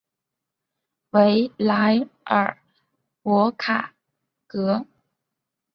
维莱尔博卡格。